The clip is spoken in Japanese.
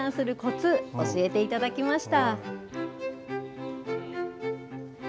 気軽に相談するこつ、教えていただきました。